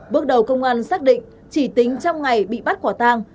bước đầu công an xác định chỉ tính trong ngày bị bắt quả tang